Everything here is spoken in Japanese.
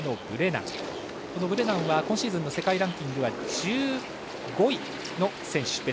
ブレナンは今シーズンの世界ランキング１５位の選手。